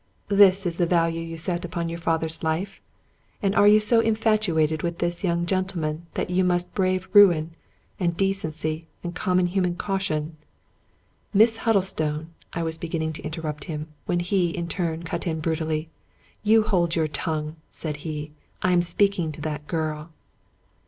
This is the value you set upon your father's life ? And you are so infatuated with this young gentleman that you must brave ruin, and decency, and common human caution "" Miss Huddlestone —" I was beginning to interrupt him, when he, in his turn, cut in brutally —" You hold your tongue," said he ;" I am speaking to that girl."